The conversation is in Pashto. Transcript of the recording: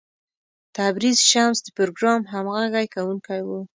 تبریز شمس د پروګرام همغږی کوونکی و.